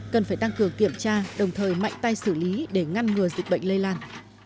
cần phải tăng cường kiểm tra đồng thời mạnh tay xử lý để ngăn ngừa dịch bệnh lây lan